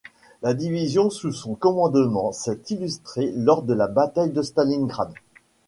La division sous son commandement s'est illustrée lors de la bataille de Stalingrad.